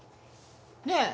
ねえ。